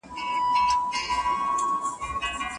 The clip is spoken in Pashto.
دا چا د کوم چا د ارمان، پر لور قدم ايښی دی